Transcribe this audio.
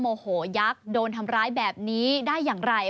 โมโหยักษ์โดนทำร้ายแบบนี้ได้อย่างไร